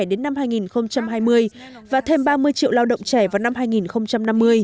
đến năm hai nghìn hai mươi và thêm ba mươi triệu lao động trẻ vào năm hai nghìn năm mươi